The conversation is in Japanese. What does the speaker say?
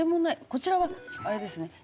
こちらはあれですね